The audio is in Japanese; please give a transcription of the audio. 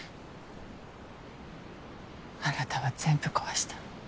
あなたは全部壊した。